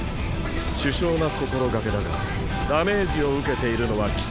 殊勝な心掛けだがダメージを受けているのは貴様